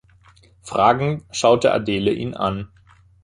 Fragend schaute Adele ihn an.